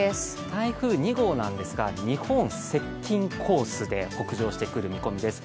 台風２号なんですが日本接近コースで北上してくる見込みです。